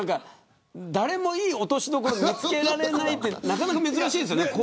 誰も、いい落としどころを見つけられないってなかなか珍しいですよね。